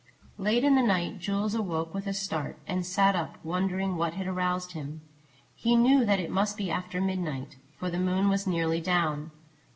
Late in the night Jules awoke with a start, and sat up, wondering what had aroused him. He knew that it must be after midnight, for the moon was nearly down.